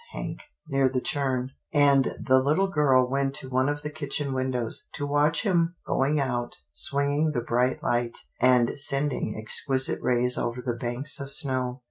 Hank, near the churn," and the Httle girl went to one of the kitchen windows, to watch him going out, swinging the bright light, and sending exquisite rays over the banks of snow.